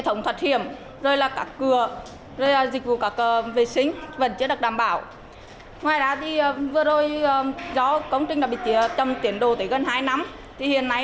toàn bộ chi phí để di rời bà con ngay